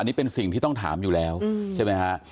อันนี้เป็นสิ่งที่ต้องถามอยู่แล้วใช่ไหมฮะ